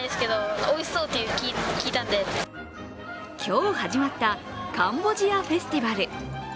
今日始まったカンボジアフェスティバル。